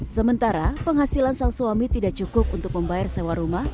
sementara penghasilan sang suami tidak cukup untuk membayar sewa rumah